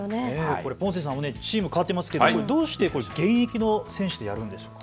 ポンセさんもチーム変わってますけれど、どうして現役の選手でやるんですか。